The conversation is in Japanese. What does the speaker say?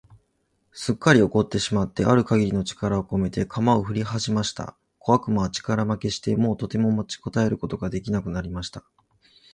すっかり怒ってしまってある限りの力をこめて、鎌をふりはじました。小悪魔は力負けして、もうとても持ちこたえることが出来なくなりました。